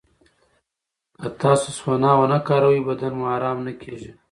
که تاسو سونا ونه کاروئ، بدن مو ارام نه کېږي.